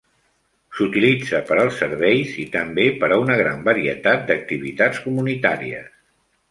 S'utilitza per als serveis i també per a una gran varietat d'activitats comunitàries.